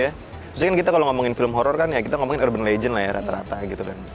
maksudnya kan kita kalau ngomongin film horror kan ya kita ngomongin urban legend lah ya rata rata gitu kan